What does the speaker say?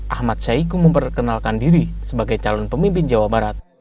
ahmad syahiku memperkenalkan diri sebagai calon pemimpin jawa barat